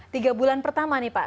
tiga bulan pertama nih pak